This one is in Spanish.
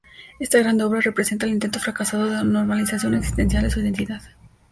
Esta grande obra representa el intento fracasado de normalización existencial de su identidad.